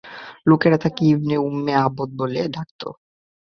লোকেরা তাঁকে Ibn Umm Abd বলে ডাকত।